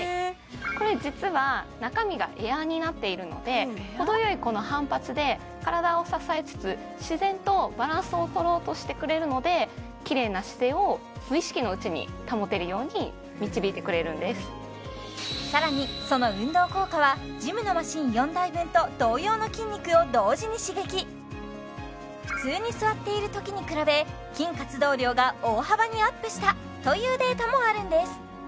これ実は中身がエアーになっているのでほどよい反発で体を支えつつ自然とバランスを取ろうとしてくれるのできれいな姿勢を無意識のうちに保てるように導いてくれるんです更にその運動効果は普通に座っているときに比べ筋活動量が大幅にアップしたというデータもあるんです